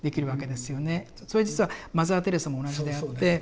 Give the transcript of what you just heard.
それは実はマザー・テレサも同じであって